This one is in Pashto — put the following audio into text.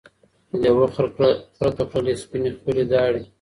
لېوه خره ته کړلې سپیني خپلي داړي